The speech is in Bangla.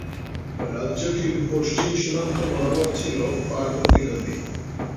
রাজ্যটির পশ্চিম সীমান্ত বরাবর ছিল পার্বতী নদী।